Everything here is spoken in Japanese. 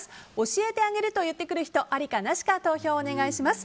教えてあげる！と言ってくる人ありかなしか投票をお願いします。